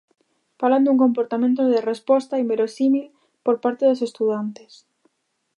Falan dun comportamento de resposta inverosímil por parte dos estudantes.